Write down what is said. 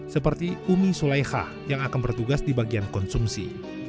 seperti umi suleha yang akan bertugas di bagian konsumsi